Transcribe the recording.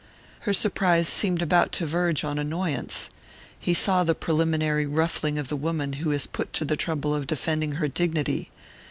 Her surprise seemed about to verge on annoyance: he saw the preliminary ruffling of the woman who is put to the trouble of defending her dignity.